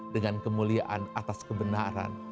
dengan kemuliaan atas kebenaran